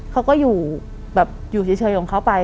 เขาก็อยู่เฉยของเขาไป